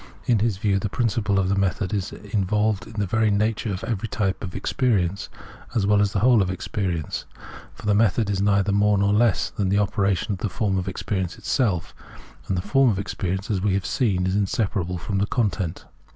In his view, the principle of the method is involved in the very nature of every type of experience, as well as in the whole of experience. For the method is neither more nor less than the opera tion of the form of experience itself ; and the form 'of experience, as we have seen, is inseparable from the content.